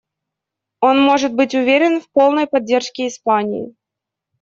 Он может быть уверен в полной поддержке Испании.